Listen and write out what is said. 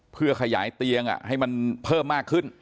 เพื่อขยายเตียงให้มันเพิ่มมากขึ้น